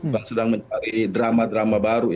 yang sedang mencari drama drama baru